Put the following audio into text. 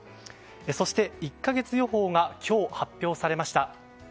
そして、１か月予報が今日発表されました。